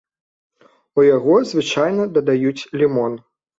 У яго звычайна дадаюць лімон.